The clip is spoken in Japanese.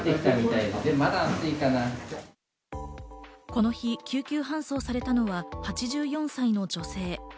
この日、救急搬送されたのは８４歳の女性。